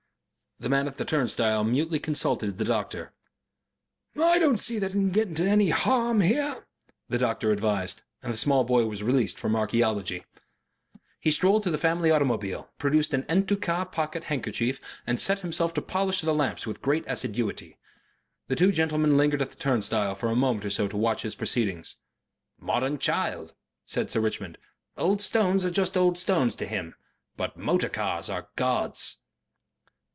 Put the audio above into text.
The man at the turnstile mutely consulted the doctor. "I don't see that he can get into any harm here," the doctor advised, and the small boy was released from archaeology. He strolled to the family automobile, produced an EN TOUT CAS pocket handkerchief and set himself to polish the lamps with great assiduity. The two gentlemen lingered at the turnstile for a moment or so to watch his proceedings. "Modern child," said Sir Richmond. "Old stones are just old stones to him. But motor cars are gods."